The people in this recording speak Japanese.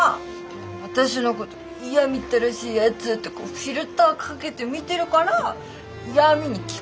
私のこと嫌みったらしいやつってこうフィルターかけて見てるから嫌みに聞こえちゃうんでしょ！